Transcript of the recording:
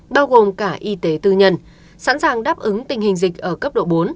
bao gồm cả y tế tư nhân sẵn sàng đáp ứng tình hình dịch ở cấp độ bốn